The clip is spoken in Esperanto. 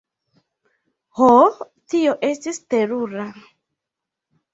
Ho, tio estis terura!